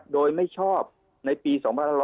โดยไม่ชอบในปี๒๕๖๐